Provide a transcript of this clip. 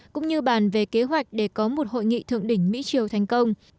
cũng như bàn về kế hoạch để có một hội nghị thượng đỉnh mỹ triều thành công